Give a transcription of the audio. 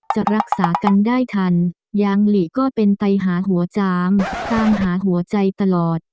จะรักษากันได้ทันยางหลีก็เป็นไตหาหัวจามตามหาหัวใจตลอด